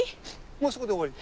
もうすぐで終わり。